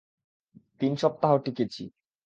তিন সপ্তাহ টিকেছি।